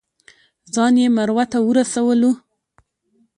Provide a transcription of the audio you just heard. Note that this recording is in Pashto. ځان یې مروه ته ورسولو.